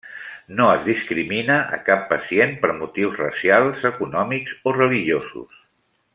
No es discrimina a cap pacient per motius racials, econòmics o religiosos.